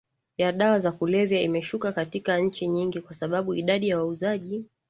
ya dawa za kulevya imeshuka katika nchi nyingi kwa sababu idadi ya wauzaji